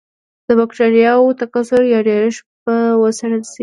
د بکټریاوو تکثر یا ډېرښت به وڅېړل شي.